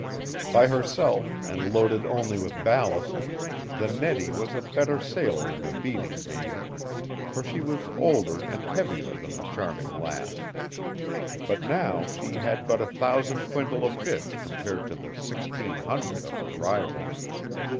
By herself and loaded only with ballast, the Nettie was a better sailor in a beating game, for she was older and heavier than the Charming Lass. But now she had but a thousand quintal of fish compared to the sixteen hundred of her rival.